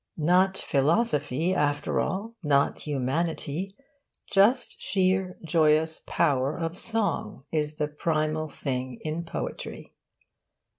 Not philosophy, after all, not humanity, just sheer joyous power of song, is the primal thing in poetry.